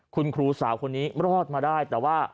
คุณครูสาวคนนี้รอดมาได้แต่ว่า